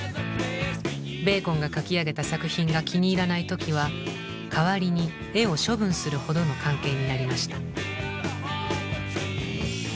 ベーコンが描き上げた作品が気に入らない時は代わりに絵を処分するほどの関係になりました。